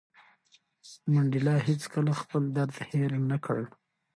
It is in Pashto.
منډېلا هېڅکله خپل درد هېر نه کړ.